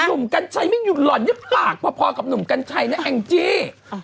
หนุ่มกัญชัยไม่หยุดหล่อนนี่ปากพอกับหนุ่มกัญชัยนะแองจี้